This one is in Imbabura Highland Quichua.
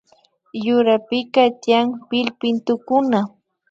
Yurapika tiyan pillpintukuna